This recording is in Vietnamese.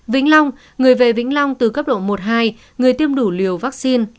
vĩnh long người về vĩnh long từ cấp độ một hai người tiêm đủ liều vaccine